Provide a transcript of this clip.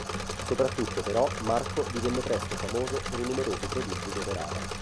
Soprattutto, però, Marco divenne presto famoso per i numerosi prodigi che operava.